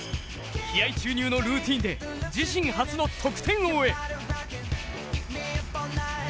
気合い注入のルーティンで自身初の得点王へ。